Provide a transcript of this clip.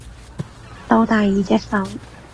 到第二隻手